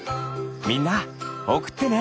みんなおくってね。